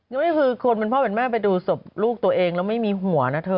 นี่คือคนเป็นพ่อเป็นแม่ไปดูศพลูกตัวเองแล้วไม่มีหัวนะเธอ